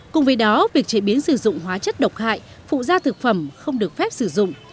cùng với đó việc chế biến sử dụng hóa chất độc hại phụ gia thực phẩm không được phép sử dụng